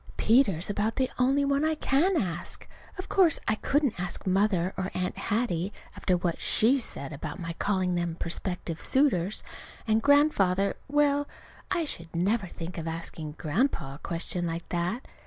Peter's about the only one I can ask. Of course I couldn't ask Mother, or Aunt Hattie, after what she said about my calling them prospective suitors. And Grandfather well, I should never think of asking Grandpa a question like that.